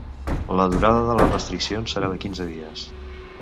La durada de les restriccions serà de quinze dies.